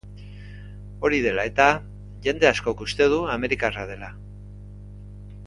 Hori dela eta, jende askok uste du amerikarra dela.